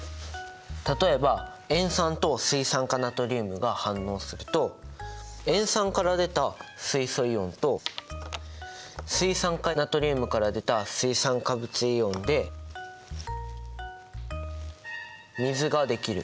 例えば塩酸と水酸化ナトリウムが反応すると塩酸から出た水素イオンと水酸化ナトリウムから出た水酸化物イオンで水ができる。